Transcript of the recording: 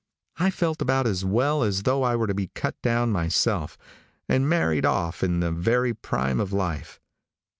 I felt about as well as though I were to be cut down myself, and married off in the very prime of life.